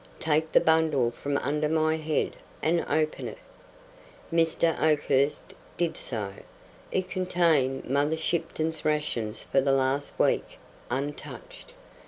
Take the bundle from under my head and open it." Mr. Oakhurst did so. It contained Mother Shipton's rations for the last week, untouched.